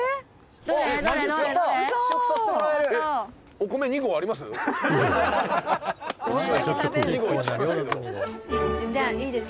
「お米２合あります？